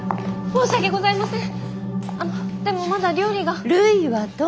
申し訳ございません。